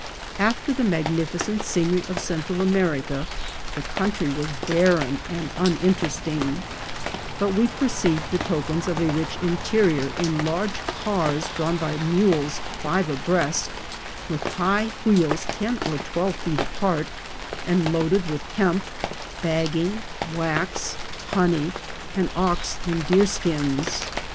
After the magnificent scenery of Central America the country was barren and uninteresting, but we per ceived the tokens of a rich interior in large cars drawn by mules five abreast, with high wheels ten or twelve feet apart, and loaded with hemp, bagging, wax, honey, and ox and deer skins.